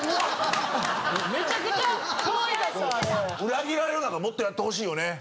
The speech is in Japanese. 裏切られるなんかもっとやってほしいよね。